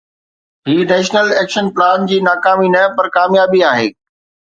هي national action plan جي ناڪامي نه پر ڪاميابي آهي.